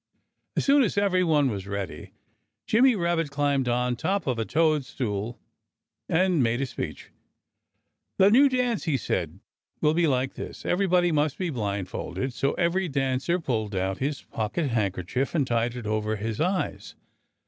As soon as everyone was ready, Jimmy Rabbit climbed on top of a toadstool and made a speech. "The new dance," he said, "will be like this: Everybody must be blindfolded." So every dancer pulled out his pocket handkerchief and tied it over his eyes.